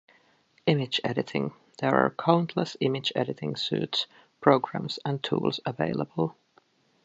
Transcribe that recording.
Image Editing: There are countless image editing suites, programs and tools available.